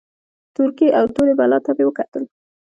تورکي او تورې بلا ته مې وکتل.